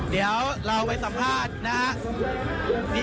เดี๋ยวเราไปสัมภาษณ์นะครับ